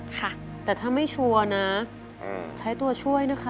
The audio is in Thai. ค่ะแต่ถ้าไม่ชัวร์นะใช้ตัวช่วยนะคะ